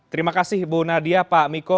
terima kasih bu nadia pak miko